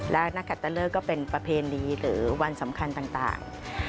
และนักคัตเตอร์เลอร์ก็เป็นประเพณีหรือวันสำคัญต่าง